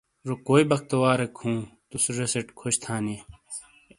زو کوئی بختواریک ہن توس زیسیٹ خوش تھانی۔